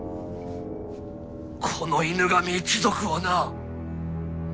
この犬神一族をな。